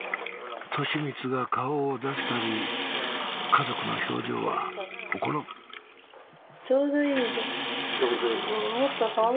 俊光が顔を出すたび家族の表情はほころぶちょうどいいじゃん。